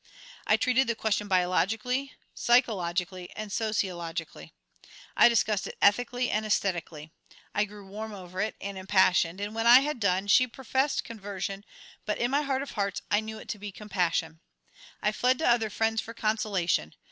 I treated the question biologically, psychologically, and sociologically, I discussed it ethically and aesthetically. I grew warm over it, and impassioned; and when I had done, she professed conversion, but in my heart of hearts I knew it to be compassion. I fled to other friends for consolation.